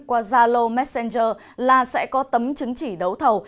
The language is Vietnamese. qua zalo messenger là sẽ có tấm chứng chỉ đấu thầu